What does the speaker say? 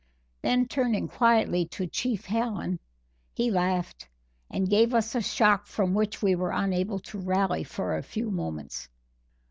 Then turning quietly to Chief Hallen, he laughed, and gave us a shock from which we were unable to rally for a few moments.